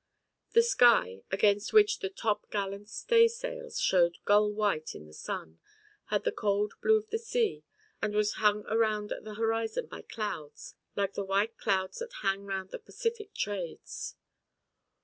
The sky, against which the top gallant stay sails shewed gull white in the sun, had the cold blue of the sea and was hung round at the horizon by clouds like the white clouds that hang round the Pacific Trades.